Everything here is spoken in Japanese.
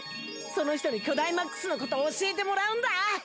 その人にキョダイマックスのこと教えてもらうんだ。